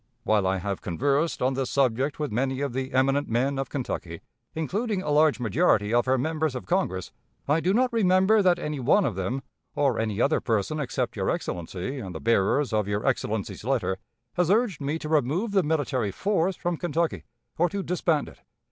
"While I have conversed on this subject with many of the eminent men of Kentucky, including a large majority of her members of Congress, I do not remember that any one of them, or any other person except your Excellency and the bearers of your Excellency's letter, has urged me to remove the military force from Kentucky, or to disband it.